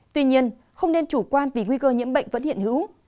tuy nhiên không nên chủ quan vì nguy cơ nhiễm bệnh vẫn hiện hữu